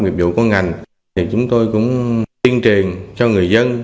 nghiệp vụ của ngành chúng tôi cũng tiên triền cho người dân